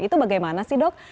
itu bagaimana sih dok